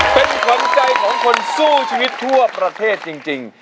เป็นขวัญใจของคนสู้ชีวิตทั่วประเทศจริง